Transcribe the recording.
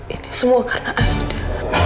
ini semua karena aida